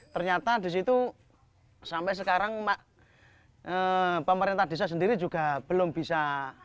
ternyata di situ sampai sekarang pemerintah desa sendiri juga belum bisa